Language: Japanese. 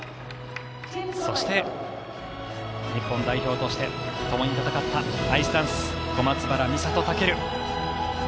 そして日本代表としてともに戦ったアイスダンス小松原美里・尊。